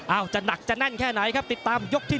จะหนักจะแน่นแค่ไหนครับติดตามยกที่๑